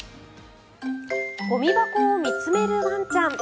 ゴミ箱を見つめるワンちゃん。